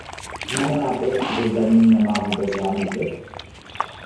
Znamená to, že zdanění nemá vůbec žádný vliv?